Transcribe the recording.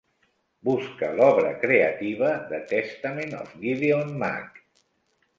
busca l'obra creativa The Testament of Gideon Mack